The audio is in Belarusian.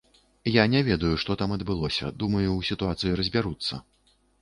Я не ведаю, што там адбылося, думаю, у сітуацыі разбяруцца.